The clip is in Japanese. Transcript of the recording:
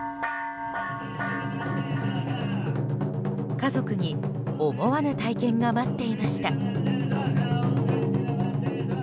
家族に思わぬ体験が待っていました。